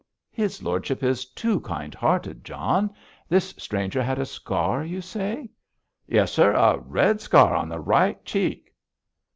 'His lordship is too kind hearted, John. This stranger had a scar, you say?' 'Yes, sir; a red scar on the right cheek.'